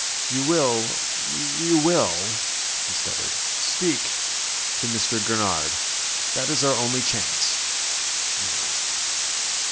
"You will ... you will ..." he stuttered, "speak ... to Mr. Gurnard. That is our only chance ... now."